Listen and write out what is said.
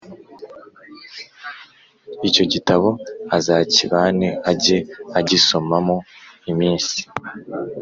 Icyo gitabo azakibane ajye agisomamo iminsi